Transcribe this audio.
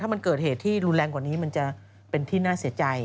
มันเกิดเหตุที่รุนแรงกว่านี้มันจะเป็นที่น่าเสียใจ